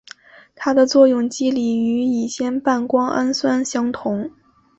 它的作用机理和乙酰半胱氨酸相同。